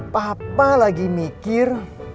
papa lagi mikir